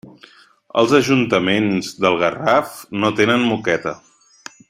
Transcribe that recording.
Els ajuntaments del Garraf no tenen moqueta.